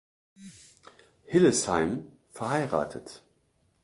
Hillesheim, verheiratet.